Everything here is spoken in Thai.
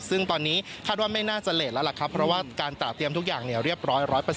ซึ่งตอนนี้คาดว่าไม่น่าจะเลสแล้วล่ะครับเพราะว่าการตราเตรียมทุกอย่างเรียบร้อย๑๐๐